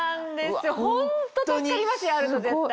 ホント助かりますよあると絶対に。